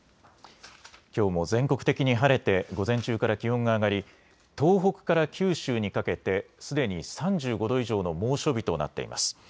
きょうも全国的に晴れて午前中から気温が上がり東北から九州にかけてすでに３５度以上の猛暑日となっています。